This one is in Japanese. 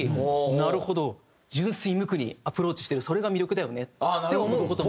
なるほど純粋無垢にアプローチしてるそれが魅力だよねって思う事もあるし。